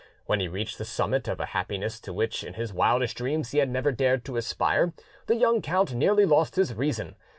When he reached the summit of a happiness to which in his wildest dreams he had never dared to aspire, the young count nearly lost his reason.